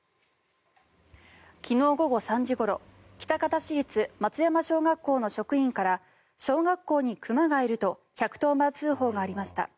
昨日午後３時ごろ喜多方市立松山小学校の職員から小学校に熊がいると１１０番通報がありました。